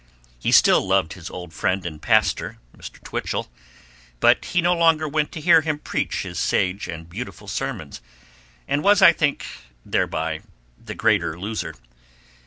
He still loved his old friend and pastor, Mr. Twichell, but he no longer went to hear him preach his sage and beautiful sermons, and was, I think, thereby the greater loser.